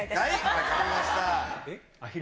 分かりました。